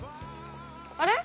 あれ？